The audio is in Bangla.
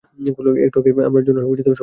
একটু আগে, আমার জন্য সবাই মরতে বসেছিলো।